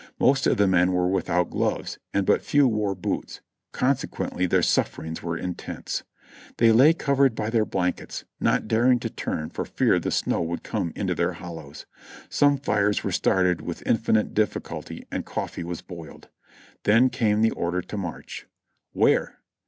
Most of the men were without gloves and but few wore boots, consequently their sufferings were intense. They lay cov ered by their blankets, not daring to turn for fear the snow would come into their hollows. Some fires were started with infinite difficulty and coffee w^as boiled. Then came the order to march. "Where?"